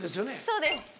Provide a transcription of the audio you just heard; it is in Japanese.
そうです。